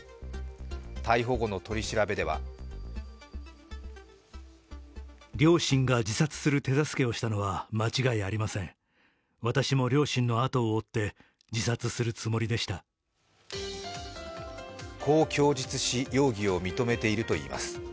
逮捕後の取り調べではこう供述し容疑を認めているといいます。